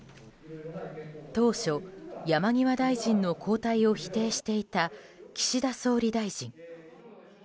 当初、山際大臣の交代を否定していた岸田総理大臣。